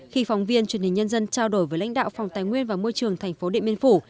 khi phóng viên truyền hình nhân dân trao đổi với lãnh đạo phòng tài nguyên và môi trường tp điện biên phủ